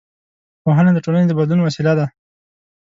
پوهنه د ټولنې د بدلون وسیله ده